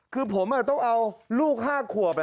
คือผมต้องเอาลูก๕ขวบ